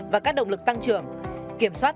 và các động lực tăng trưởng kiểm soát